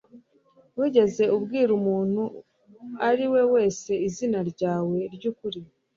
Wigeze ubwira umuntu uwo ari we wese izina ryawe ryukuri?